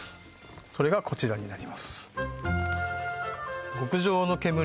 それがこちらになります